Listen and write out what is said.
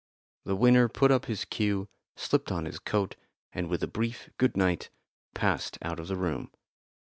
The winner put up his cue, slipped on his coat, and with a brief "Good night" passed out of the room.